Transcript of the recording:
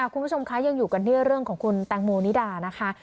คุณผู้ชมคะยังอยู่กันที่เรื่องของคุณแตงโมนิดานะคะ